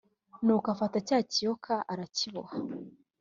nuko afata cya kiyoka arakiboha